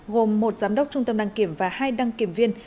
gồm một giám đốc trung tâm đăng kiểm và hai đăng kiểm viên